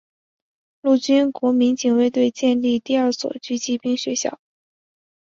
陆军国民警卫队建立第二所狙击兵学校。